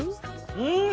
うん！